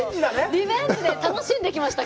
リベンジで楽しんできました。